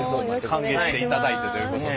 歓迎していただいてということで。